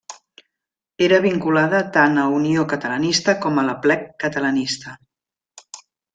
Era vinculada tant a Unió Catalanista com a l'Aplec Catalanista.